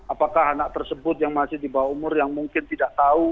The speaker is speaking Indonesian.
apakah anak tersebut yang masih di bawah umur yang mungkin tidak tahu